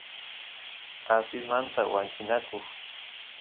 asismanta wanchinaku